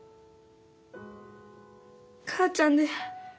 母ちゃんで。